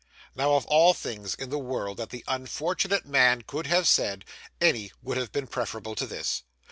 Now, of all things in the world that the unfortunate man could have said, any would have been preferable to this.